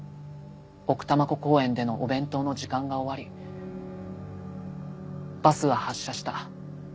奥多摩湖公園でのお弁当の時間が終わりバスは発車した。